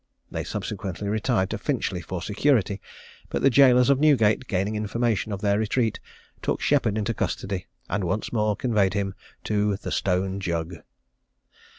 They subsequently retired to Finchley for security; but the gaolers of Newgate gaining information of their retreat, took Sheppard into custody, and once more conveyed him to "The Stone Jug."